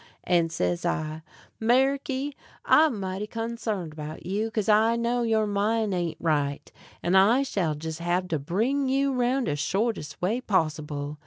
And says I: "Meriky, I'se mighty consarned 'bout you, kase I knows your mine ain't right, and I shall jes' hab to bring you roun' de shortest way possible."